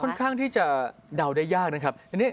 ค่อนข้างที่จะเดาได้ยากนะครับ